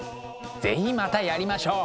是非またやりましょう！